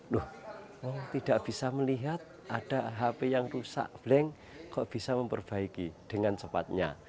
loh tidak bisa melihat ada hp yang rusak blank kok bisa memperbaiki dengan cepatnya